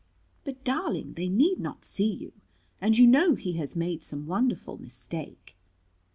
"But, darling, they need not see you. And you know he has made some wonderful mistake."